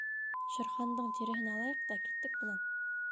Шер Хандың тиреһен алайыҡ та киттек бынан.